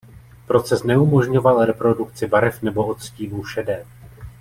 Proces neumožňoval reprodukci barev nebo odstínů šedé.